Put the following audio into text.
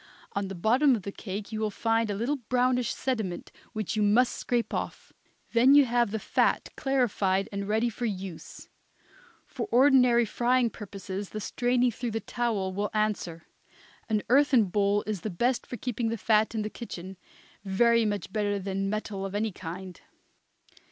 On the bottom of the cake you will find a little brownish sediment which you must scrape off. Then you have the fat clarified and ready for use. For ordinary frying purposes the straining through the towel will answer. An earthen bowl is the best for keeping the fat in the kitchen, very much better than metal of any kind.